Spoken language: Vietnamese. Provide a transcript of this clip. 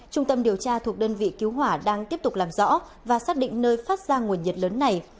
trung tâm điều tra thuộc đơn vị cứu hỏa đang tiếp tục làm rõ và xác định nơi phát ra nguồn nhiệt lớn này